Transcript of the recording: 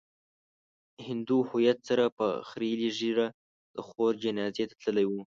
هندو هويت سره په خريلې ږيره د خور جنازې ته تللی و.